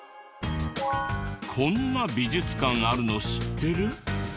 こんな美術館あるの知ってる？